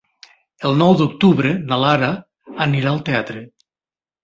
El nou d'octubre na Lara anirà al teatre.